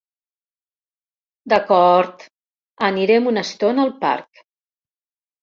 D'acord, anirem una estona al parc.